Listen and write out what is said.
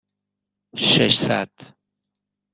ششصد